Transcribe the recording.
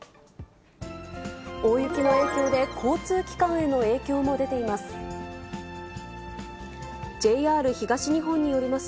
大雪の影響で、交通機関への影響も出ています。